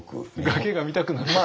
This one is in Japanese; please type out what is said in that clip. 崖が見たくなった？